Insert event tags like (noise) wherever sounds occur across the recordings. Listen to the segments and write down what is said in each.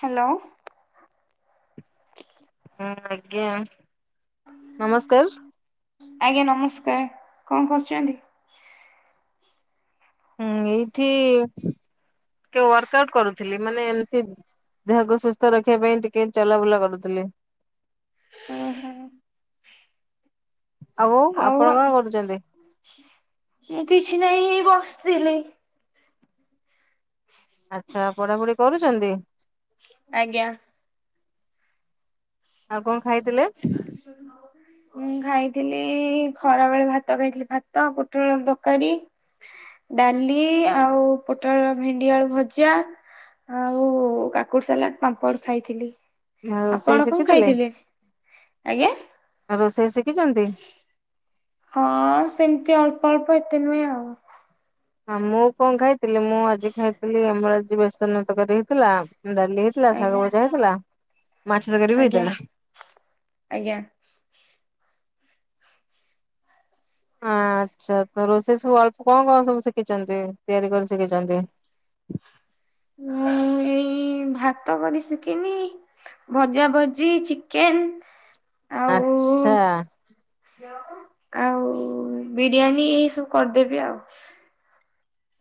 Hello. ହଁ ଆଜ୍ଞ ଆଜ୍ଞା। ନମସ୍କାର ଆଜ୍ଞା ନମସ୍କାର। କଣ କରୁଛନ୍ତି? ହୁଁ ଏଇଠି ଟିକେ ୱାର୍କ ଆଉଟ କରୁଥିଲି ।ମାନେ ଏମିତି ଦେହକୁ ସୁସ୍ଥ ରଖିବା ପାଇଁ ଟିକେ ଚଲାବୁଲା କରୁଥିଲି ଓହୋ ।ଆଉ ଆପଣ ଆଉ କଣ କରୁଛନ୍ତି? ମୁଁ କିଛି ନାଇଁ ଏଇ ବସ ଥିଲି। ଆଚ୍ଛା ପଢାପଢି କରୁଚନ୍ତି? ଆଜ୍ଞା। ଆଉ କଣ ଖାଇଥିଲେ (inaudible) ମୁଁ ଖାଇଥିଲି ଖରା ବେଳେ ଭାତ ଖାଇଥିଲି। ଭାତ, ପୋଟଳ ଆଳୁ ତରକାରୀ, ଡାଲି ଆଉ ପୋଟଳ ଭେଣ୍ଡିଆଳୁ ଭଜା ଆଉ କାକୁଡି ସାଲାଡ, ପାମ୍ପଡ଼ ଖାଇଥିଲି। ରୋଷେଇ ଆପଣ କଣ ଶିଖିଥିଲେ? ଖାଇଥିଲେ? ଆଜ୍ଞା। ସିଖିଛନ୍ତି। ହଁ ସେମିତି ଅଳ୍ପ ଅଳ୍ପ ଏତେ ନୁହେଁ ଆଉ। ହଁ ମୁଁ କଣ ଖାଇଥ ଥିଲି ମୁଁ ଆଜି ଖାଇଥିଲି ଆମର ଯିଏ ବ୍ୟସ୍ତ ନୁହେତ କରିହେଇଥିଲା ଡାଲି ହେଇଥିଲା, ଆଜ୍ଞା ଶାଗ ଭଜା ହେଇଥିଲା, ମାଛ ତରକାର ବି ଆଜ୍ଞା ହେଇଥିଲା। ଆଜ୍ଞା। ଆଚ୍ଛା ତ ରୋଷେଇ ସବୁ ଅଳ୍ପ କଣ କଣ ସବୁ ଶିଖିଛନ୍ତି ତିଆରି କରି ଶିଖିଛନ୍ତି? ଏଇ ଭାତ କରି ଶିଖିନି ଭଜା ଭଜି ଚିକେନ ଆଉ ଆଚ୍ଛା ଆଉ ବିରିୟାନୀ ଏଇ ସବୁ କରିଦେବି ଆଉ।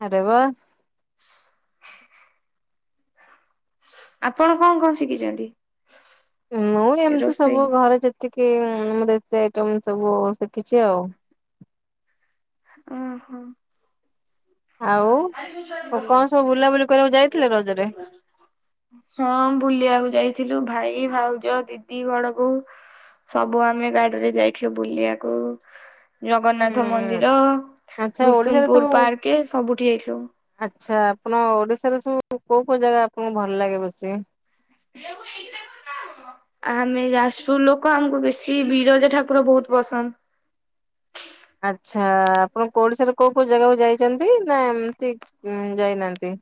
ଆରେ ବାଃ ଆପଣ କଣ କଣ ଶିଖିଛନ୍ତି? ମୁଁ ଏମିତି ରୋଷେଇ? ସବୁ ଘରେ ଯେତିକି କି ଏମିତି ସେ ସବୁ ଶିଖିଛି ଆଉ। ଓ ହୋ ଆଉ କଣ ସବୁ ବୁଲାବୁଲି କରିବାକୁ ଯାଇଥିଲେ ରଜରେ? ହଁ ବୁଲିବାକୁ ଯାଇଥିଲୁ ଭାଇ ଭାଉଜ ଦିଦି ବଡ଼ବୋଉ ସବୁ ଆମେ ଗାଡିରେ ଯାଇଥିଲୁ ବୁଲିବାକୁ। ଜଗନ୍ନାଥ ମନ୍ଦିର ହୁଁ ର ଆଚ୍ଛା ଓଡିଶାରେ ସବୁ ଭୁସୁନପୁର ପାର୍କେ ସବୁଠି ହେଲୁ। ଆଚ୍ଛା ଆପଣ ଓଡିଶାରେ ସବୁ କୋଉ କୋଉ ଜାଗା ଆପଣଙ୍କୁ ଭଲ ଲାଗେ ବେସି? (inaudible) ଆମେ ଯାଜପୁର ଲୋକ ଆମକୁ ବେଶୀ ବିରଜା ଠାକୁର ବହୁତ ପସନ୍ଦ। ଆଚ୍ଛା ଆପଣ ଓଡ଼ିଶାରେ କୋଉ କୋଉ ଜାଗାକୁ ଯାଇଛନ୍ତି ନା ଏମିତି ଯାଇନାହାନ୍ତି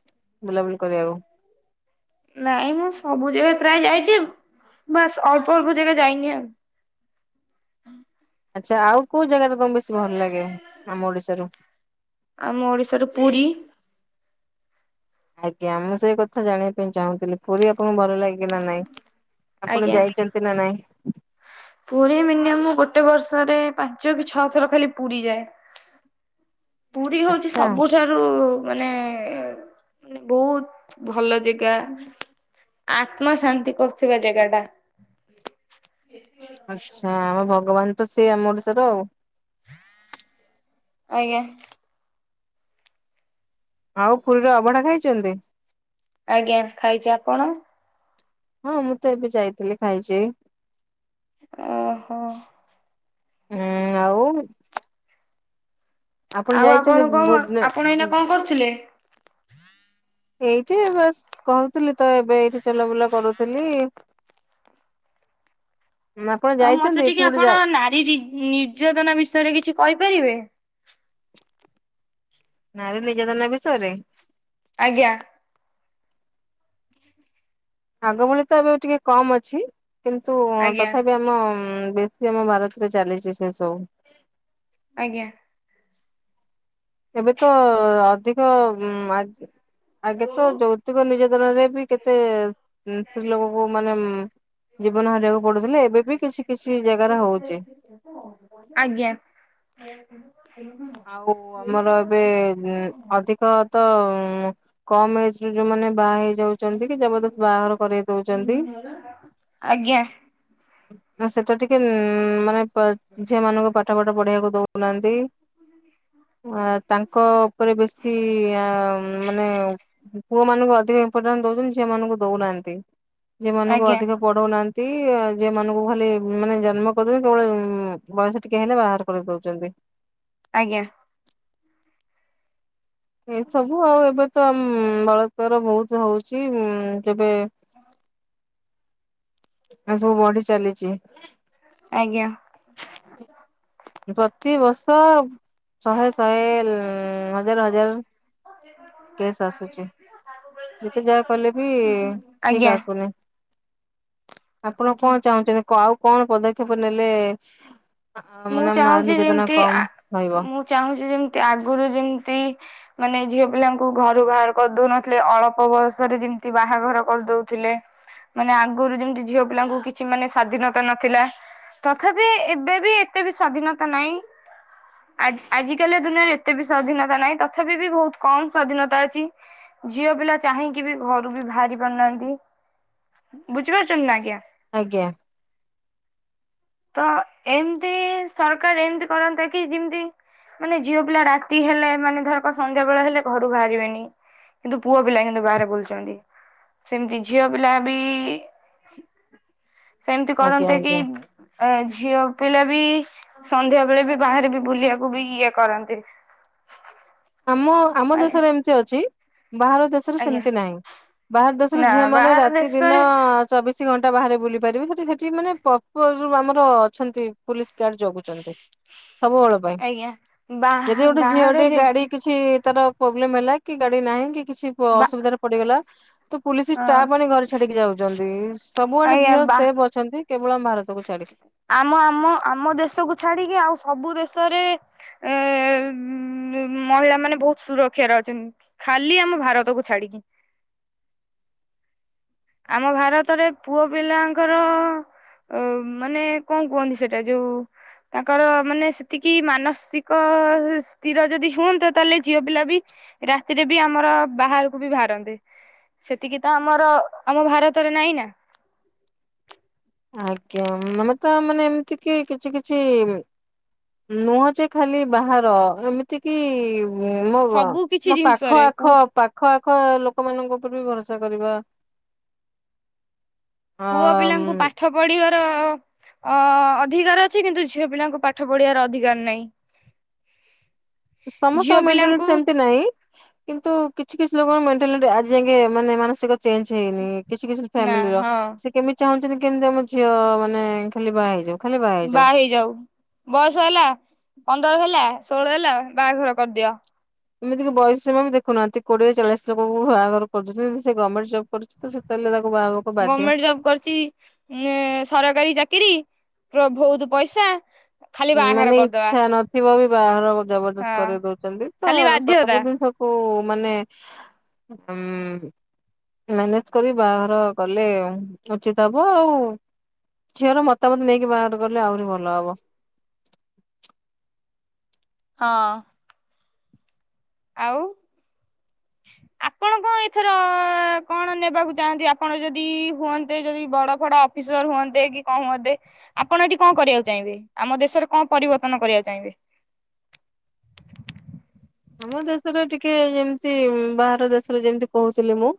ବୁଲାବୁଲି କରିବାକୁ? ନାଇଁ ମୁଁ ସବୁ ଜାଗା ପ୍ରାୟ ଯାଇଛି ବାସ୍ ଅଳ୍ପ ଅଳ୍ପ ଜାଗା ଯାଇନି ଆଉ। ଆଚ୍ଛା ଆଉ କୋଉ ଜାଗା ଟା ତମ ବେଶୀ ଭଲ ଲାଗେ ଆମ ଓଡିଶାରୁ? ଆମ ଓଡିଶାରୁ ପୁରୀ ଆଜ୍ଞା ମୁଁ ସେଇ କଥା ଜାଣିବା ପାଇଁ ଚାହୁଁଥିଲି ପୁରୀ ଆପଣଙ୍କୁ ଭଲ ଲାଗେ ନା ନାଇଁ। ଆପଣ ଆଜ୍ଞା। ଯାଇଛନ୍ତି ନା ନାଇଁ? ପୁରୀ ମିନିୟମ ଗୋଟେ ବର୍ଷରେ ପାଞ୍ଚ କି ଛଅ ଥର ଖାଲି ପୁରୀ ଯାଏ। ପୁରୀ ହଉଛି ଆଚ୍ଛା। ସବୁଠାରୁ ମାନେ ବହୁତ ଭଲ ଜାଗା ଆତ୍ମା ଶାନ୍ତି କରୁଥିବା ଜାଗା ଟା। ଆଛା ଆମ ଭଗବାନ ତ ସିଏ ଆମ ଓଡିଶାର ଆଉ ଆଜ୍ଞା ଆଉ ପୁରୀର ଅଭଢା ଖାଇଛନ୍ତି? ଆଜ୍ଞା ଖାଇଛି ଆପଣ? ହଁ ମୁଁ ତ ଏବେ ଯାଇଥିଲି ଖାଇଛି। ଓହୋ ହୁଁ ଆଉ ଆଉ ଯାଇଛନ୍ତି ଆପଣ କଣ ଭୁବନେ ଆପଣ ଏଇନା କଣ କରୁଥିଲେ? (inaudible) ଏଇଠି ବାସ କହୁଥିଲି ତ ଏବେ ଏଇଠି ଚଲାବୁଲା କରୁଥିଲି ଆପଣ ଆଉ ଯାଇଛନ୍ତି ମତେ ଏଠି ଟିକେ ଗୋଟେ ଜା ଆପଣ ନାରୀ ନିର୍ଯାତନା ବିଷୟରେ କିଛି କହିପାରିବେ? (inaudible) ନାରୀ ନିର୍ଯତନା ବିଷୟରେ? ଆଜ୍ଞା! ଆଗ ଭଳି ତ ଏବେ ଟିକେ କମ୍ ଅଛି? କିନ୍ତୁ ଆଜ୍ଞା ତଥାପି ଆମ। ବେଶୀ ଆମ ଭାରତରେ ଚାଲିଛି ସେ ସବୁ। ଆଜ୍ଞା! ଏବେ ତ ଅଧିକ ଆଗେ ତ ଯୌତିକ ନିର୍ଯାତନ ରେ ବି କେତେ ସ୍ତ୍ରୀ ଲୋକକୁ ମାନେ ଜୀବନ ହରାଇବାକୁ ପଡୁଥିଲେ ଏବେ ବି କିଛି କିଛି ଜାଗାରେ ହଉଛି। ଆଜ୍ଞା! ଆଉ ଆମର ଏବେ ଅଧିକ ତ କମ୍ ଏଜେ ଯୋଉମାନେ ବାହା ହେଇଯାଉଛନ୍ତି, କି ଜବରଦସ୍ତ ବାହାଘର କରରେଇ ଦଉଛନ୍ତି, ଆଜ୍ଞା ସେ ତ ଟିକେ ଉଁ ମାନେ। ଝିଅମାନଙ୍କୁ ପାଠ ଫାଠ ପଢିବାକୁ ଦଉନାହାନ୍ତି। ଆ ତାଙ୍କ ଉପରେ ବେଶୀ ମାନେ ପୁଅ ମାନଙ୍କୁ ଅଧିକ ଇମ୍ପୋର୍ଟାନ୍ସ ଦଉଛନ୍ତି ସେମାନାନଙ୍କୁ ଦଉନାହାନ୍ତି। ଯି ମାନଙ୍କୁ ଆଜ୍ଞା ଅଧିକ ପଢଉନାହାନ୍ତି। ଯିଏ ମାନଙ୍କୁ ଖାଲି ମାନେ ଜନ୍ମ କରିଦଉି କେବଳ ବୟସ ଟିକେ ହେଲେ ବାହାର କରିଦଉଛନ୍ତି। ଆଜ୍ଞା! ଏ ସବୁ ଆଉ ଏବେ ତ ବଳତର ବହୁତ ହଉଛି ଉ। କେବେ ଏ ସବୁ ବଢି ଚାଲିଛି। ଆଜ୍ଞା! ପ୍ରତିିବର୍ଷ ହଜାର କେସ୍ ଆସୁଛି ଯେତେ ଯାହା କଲେ ବି ଠିକ ଆଜ୍ଞା! (inaudible) ଆସୁନି ଆପଣ ଆଜ୍ଞା କଣ ଚାହୁଁଛନ୍ତି କଉ କଣ ପଦକ୍ଷେପ ନେଲେ? ମୁଁ ମାନେ ନାରୀ ଚାହୁଁଛି, ନିର୍ଯାତନା ଯେମିତି କମ ରହିବ ମୁଁ ଚାହୁଁଛି ଯେମିତି ଆଗରୁ ଯେମିତି। ମାନେ ଝିଅ ପିଲାଙ୍କୁ ଘରୁ ବାହାର କରିଦଉନଥିଲେ ଅଳ୍ପ ବୟସରେ ଯେମିତି ବାହାଘର କରିଦଉଥିଲେ, ମାନେ ଆଗରୁ ଯେମିତି ଝିଅ ପିଲାଙ୍କୁ କିଛି ମାନେ ସ୍ଵାଧୀନତା ନଥିଲା ତଥାପି ଏବେ ବି। ଏତେ ବି ସ୍ଵାଧୀନତା ନାହିଁ ଆ ଆଜିକାଲି, ଦୁନିଆରେ ଏତେ ବି ସ୍ଵାଧୀିନନତା ନାହିଁ ତଥାପି ବି ବହୁତ କମ ସ୍ଵାଧୀନତା ଅଛି ଝିଅ ପିଲା ଚାହିଁକି ବି ଘରୁ ବି ବାହାରି ପାରୁନାହାନ୍ତି ବୁଝିପାରୁଛନ୍ତି ନା ଆଜ୍ଞା। ଆଜ୍ଞା। ତ ଏମିତି ସରକାର ଏମିତି କରନ୍ତା କି ଯେମିତି ମାନେ ଝିଅ ପିଲା ରାତି ହେଲେ, ମାନେ ଧରକ ସଂଧ୍ୟା ବେଳ ହେଲେ ଘରୁ ବାହାରିବେନି କିନ୍ତୁ ପୁଅ ପିଲା କିନ୍ତୁ ବାହାରେ ବୁଲୁଛନ୍ତି ସେମିତି ଝିଅ ପିଲା ବି ସେମିତି ଆଜ୍ଞା କରନ୍ତେ କି ଆଜ୍ଞା ଏ ଝିଅ ପିଲା ବି ସନ୍ଧ୍ୟା ବେଳେ ବି ବାହାରେ ବି ବୁଲିବାକୁ ବି ଇଏ କରନ୍ତି। ଆମ ଆମ ମାନେ ଦେଶରେ ଏମିତି ଅଛି। ବାହାର ଦେଶରେ ଆଜ୍ଞା ସେମତି ନାହିଁ ବାହାର ଦେଶରେ ନା ଝିଅ ମାନେ ବାହାର ରାତି ଦିନ ଦେଶରେ ଚବିଶି ଘଣ୍ଟା ବାହାରେ। ବୁଲି ପାରିବୁ ସେଠି ସେଠି ପର୍ପାଜ୍ ମାନେ ଆମର ଅଛନ୍ତି ପୁଲିସ ଗାର୍ଡ ଜଗୁଛନ୍ତି। ସବୁବେଳ ପାଇଁ। ଆଜ୍ଞା ଯଦି ବାହା ଗୋଟେ ଝିଅଟେ ବାହାର ଯେ ଗାଡି କିଛି ତାର ପ୍ରୋବ୍ଲେମ ହେଲା କି ଗାଡି ନାହିଁ କି କିଛି ବା ଅସୁବିଧାରେ ପଡିଗଲା ତ ପୁଲିସ ଷ୍ଟାଫ ମାନେ ଘରେ ଛାଡିକି ଯାଉଛନ୍ତି ସବୁଆଡେ ଆଜ୍ଞା ଝିଅ ବା ସେଭ ଅଛନ୍ତି। କେବଳ ମାର୍ ଆମ ଆମ ଆମ ଦେଶକୁୁ ଛାଡିକି ଆଉ ସବୁ ଦେଶ ରେ ମହିଳା ମାନେ ବହୁତ ସୁରକ୍ଷାରେ ଅଛନ୍ତି ଖାଲି ଆମ ଭାରତକୁ ଛାଡିକି। ଆମ ଭାରତରେ ପୁଅ ପିଲାଙ୍କର ଅ ମାନେ କଣ କୁହନ୍ତି ସେଇଟା ଯୋଉ ତାଙ୍କର ମାନେ ସେତିକି ମାନସିକ ସ୍ଥିର ଯଦି ହୁଅନ୍ତା ତାହେଲେ ଝିଅ ପିଲା ବି ରାତିରେ ବି ଆମର ବାହାରକୁ ବି ବାହାରନ୍ତେ ସେତିକି ତ ଆମର ଆମ ଭାରତରେ ନାଇଁ ନା ଆଜ୍ଞା ଆମେ ତ ମାନେ ଏମିତି କି କିଛି କିଛି ନୁହଁ ଯେ ଖାଲି ବାହାର ଏମିତି କିି ମୋ ସବୁ କିଛି ମୋ ପାଖ ଜିନିଷରେ ଆଖ ପୁ ପାଖ ଆଖ ଲୋକମାନଙ୍କୁ ଉପର ବି ଭରସା କରିବା ଆ ପୁଅ ପିଲାଙ୍କୁ ପାଠ ପଢିବାର ଅ ଅଧିକାର ଅଛି କିନ୍ତୁ ଝିଅ ପିଲାଙ୍କୁ ପାଠ ପଢିବାର ଅଧିକାର ନାହିଁ। ସମସ୍ତଙ୍କ ଝିଅ ମେଣ୍ଟାଲିଟି ପିଲାଙ୍କୁ ସେମତି ନାହିଁ କିନ୍ତୁ କି କିଛି ଲୋକଙ୍କ ମେଣ୍ଟାଲି ଆଜି ଯେ ମାନେ ମାନସିକ ଚେଞ୍ଜ ହେଇନି। କିଛି କିଛି ନା ଫ୍ୟାମିଲି ର ହଁ ସେ କେମିତି ଚାହୁଁଛନ୍ତି। କେନ୍ ଝିଅ ମାନେ ଖାଲି ବାହା ହେଇଯାଉ ଖାଲି ବାହା ହେଇଯାଉ। ବୟସ ହେଲା ପନ୍ଦର ହେଲା ଷୋହଳ ହେଲା ବାହାଘର କରିଦିଅ। ଏମିତିକ ବୟସୀ ବି ଦେଖୁନାହାନ୍ତି କୋଡିଏ ଚାଳିଶ ଲୋକଙ୍କୁ ବାହାଘର କରୁଛନ୍ତି ସେ ଗଭର୍ଣମେଣ୍ଟ ଜବ୍। କରୁଛି ତ ସେତେବେଳେ ତାକୁ ବାହାହବାକୁ ବାଧ୍ୟ ଗଭର୍ଣମେଣ୍ଟ ଜବ କରିଛି ଉ ସରକାରୀ ଚାକିରି ପ୍ର ବହୁତ ପଇସା। ଖାଲି ବାହାଘର ମାନେ କରିଦବା ଇଚ୍ଛା ନଥିବ ବି ବାହାର ଜବରଦସ୍ତ ହଁ କରେଇ ଦଉଛନ୍ତି ତ ଖାଲି ବାଧ୍ୟତା ସବୁ ଜିନିଷକୁ ମାନେ ଉ ମାନେଜ କରି ବାହାଘର କଲେ ଉଚିତ ହବ ଆଉ ଝିଅର ମତାମତ ନେଇକି ବାହାଘର କଲେ ଆହୁରି ଭଲ ହବ। ହଁ। ଆଉ ଆପଣ କଣ ଏଥର କଣ ନେବାକୁ ଚାହାନ୍ତି ଆପଣ ଯଦି ହୁଅନ୍ତେ ଯଦି ବଡ ଫଡ ଅଫିସର ହୁଅନ୍ତେ କି କଣ ହୁଅନ୍ତେ ଆପଣ ଏଠି କଣ କରିବାକୁ ଚାହିଁବେ ଆମ ଦେଶରେ କଣ ପରିବର୍ତ୍ତନ କରିବାକୁ ଚାହିଁବେ। ଆମ ଦେଶରେ ଟିକେ ଯେମିତି ବାହାର ଦେଶରେ ଯେମିତି କହୁଥିଲି ମୁଁ।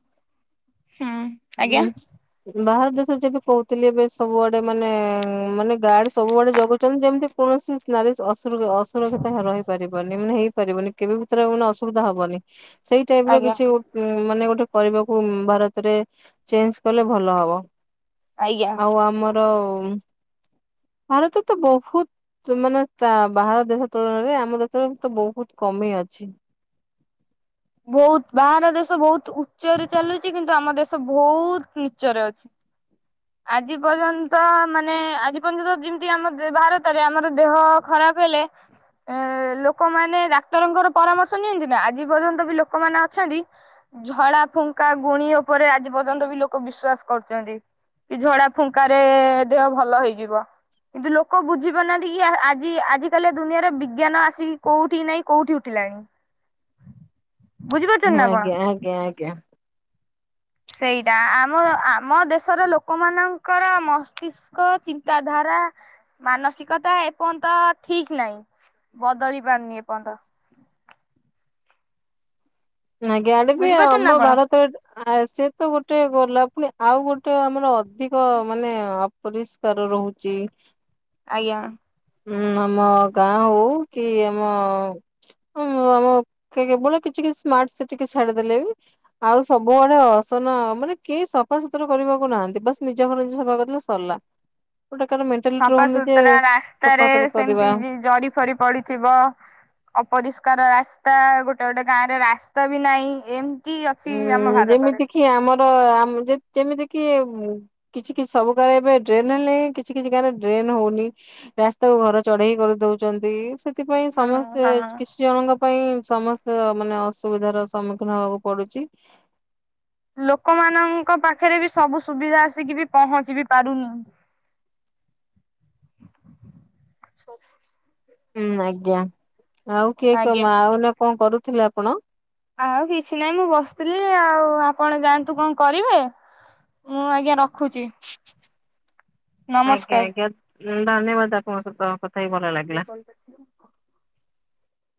ହୁଁ। ଆଜ୍ଞା ହୁଁ ବାହାର ଦେଶରେ ଯେବେ କହୁଥିଲି ଏବେ ସବୁଆଡେ ମାନେ ମାନେ ଗାର୍ଡ ସବୁଆଡେ ଜଗୁଛନ୍ତି ଯେମିତି କୌଣସି ନାରୀ ଅସୁରକ୍ଷିତ ରହିପାରିବନି ମାନେ ଏଇ ପାରିବନି କେବେ କୋଉ ଥିରେ ମାନେ ଅସୁବିଧା ହବନି ସେଇ ଟାଇପ ର ଆଜ୍ଞା କିଛି ମାନେ ଗୋଟେ କରିବାକୁ ଭାରତରେ ଚେଞ୍ଜ କଲେ ଭଲ ହବ। ଆଜ୍ଞା। ଆଉ ଆମର ଭାରତ ତ ବହୁତ ମାନେ ବାହାର ଦେଶ ତୁଳନାରେ ଆମ ଦେଶରେ ତ ବହୁତ କମି ଅଛି। ବହୁତ ବାହାର ଦେଶ ବହୁତ ଉଚ୍ଚରେ ଚାଲୁଛି କିନ୍ତୁ ଆମ ଦେଶ ବହୁତ ନିଚ୍ଚରେ ଅଛି। ଆଜି ପର୍ଯ୍ୟନ୍ତ ମାନେ ଆଜି ପର୍ଯ୍ୟନ୍ତ ଯେମିତି ଆମ ଭାରତରେ ଆମର ଦେହ ଖରାପ ହେଲେ ଏ ଲୋକମାନେ ଡାକ୍ତରଙ୍କର ପରାମର୍ଶ ନିଅନ୍ତି ନା ଆଜି ପର୍ଯ୍ୟନ୍ତ ଲୋକମାନେ ଅଛନ୍ତି ଝଡା ଫୁଙ୍କା ଗୁଣି ଉପରେ ଆଜି ପର୍ଯ୍ୟନ୍ତ ବି ଲୋକ ବିଶ୍ଵାସ କରୁଛନ୍ତି। କି ଝଡା ଫୁଙ୍କାରେ ଦେହ ଭଲ ହେଇଯିବ କିନ୍ତୁ, ଲୋକ ବୁଝି ପାରୁନାହାନ୍ତି କି ଆଜି ଆଜି କାଲି ଦୁନିଆରେ ବିଜ୍ଞାନ ଆସିକି କୋଉଠି ନାଇଁ କୋଉଠି ଉଠିଲାଣି। ବୁଝିପାରୁଛନ୍ତି ନା ଆପଣ? ଆଜ୍ଞା ଆଜ୍ଞା ଆଞା। ସେଇଟା ଆମ ଆମ ଦେଶର ଲୋକ ମାନଙ୍କର ମସ୍ତିଷ୍କ, ଚିନ୍ତାଧାରା, ମାନସିକତା ଏପର୍ଯ୍ୟନ୍ତ ଠିକ ନାହିଁ ବଦଳି ପାରୁନି ଏପର୍ଯ୍ୟନ୍ତ। ଆଜ୍ଞା ଗଲେ ବି ବୁଝିପାରୁଛନ୍ତି ନା ଆମ ଆପଣ ଭାରତରେ ସିଏ ତ ଗୋଟେ ଗଲାପ ଟେ ଆଉ ଗୋଟେ ଆମର ଅଧିକ ମାନେ ଅପରିଷ୍କାର ରହୁଛି ଆଜ୍ଞା। ହୁଁ ଆମ ଗାଁ ହଉ କି ଆମ ଆମ କେବଳ କିଛି କିଛି ସ୍ମାର୍ଟ ସିଟି କି ଛାଡିଦେଲେ ବି ଆଉ ସବୁଆଡେ ଅସନ ମାନେ କେହି ସଫା ସୁତୁରା କରିବାକୁ ନାହାନ୍ତି ।ବାସ ନିଜ ଘର ଯ ସଫା କରିଦଲେ ସରିଲା। ଗୋଟେ କାର ମେଣ୍ଟାଲିଟି ରହୁନି ଯେ ସଫାସତୁରା ରାସ୍ତାରେ ସଫାସୁତୁରା କରିବା ସେମିତି ଜରି ଫରି ପଡିଯିବ ଅପରି ପ୍ରକାର ରାସ୍ତା ଗୋଟେ ଗୋଟେ ଗାଁ ରେ ରାସ୍ତା ବି ନାହିଁ ଏମ ଉଁ ଯେମିତି କିି ଆମର ଆମେ ଯେମିତି କିି କିଛି କିଛି ସବୁ ଗାଁରେ ଏବେ ଡ୍ରେନ ହେଲେ କିଛି କିଛି ଗାଁରେ ଡ୍ରେନ ହଉନି ରାସ୍ତାକୁ ଘର ଚଢେଇ କରିଦଉଛନ୍ତି ସେ ସେଥିପାଇଁ ହଁ ସମସ୍ତେ ହଁ। କିଛି ଜଣଙ୍କ ପାଇଁ ସମସ୍ତ ମାନେ ଅସୁବିଧାର ସମ୍ମୁଖୀନ ହବାକୁ ପଡୁଛି। ଲୋକମାନଙ୍କ ପାଖ ପାରେ ବି ସବୁ ସୁବିଧା ଆସିକି ବି ପହଞ୍ଚି ବି ପାରୁନି ହୁଁ ଆଜ୍ଞା। ଆଉ କିଏ କ ଆଜ୍ଞା। ମା ଆଉ କଣ କରୁଛ? ଥିଲେ ଆପଣ ଆଉ କିଛି ନାହିଁ ମୁଁ ବସିଥିଲି ଆଉ ଆପଣ ଯାଆନ୍ତୁ କଣ କରିବେ ମୁଁ ଆଜ୍ଞା ରଖୁଛି। ଆଜ୍ଞା ଆଜ୍ଞା। ଧନ୍ୟବାଦ ଆପଣଙ୍କ ସହିତ କଥା ହେଇ ଭଲ ଲାଗିଲା। (unintelligible)